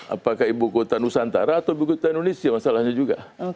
apakah ibu kota nusantara atau ibu kota indonesia masalahnya juga